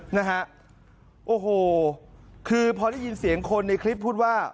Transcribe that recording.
นะฮะโอ้โหคือพอได้ยินเสียงคนในคลิปพูดว่า